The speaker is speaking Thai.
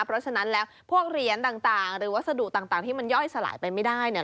เพราะฉะนั้นแล้วพวกเหรียญต่างหรือวัสดุต่างที่มันย่อยสลายไปไม่ได้เนี่ย